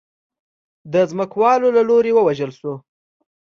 د ځمکوالو له لوري ووژل شو.